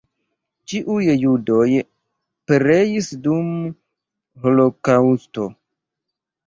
Ĉiuj judoj pereis dum holokaŭsto.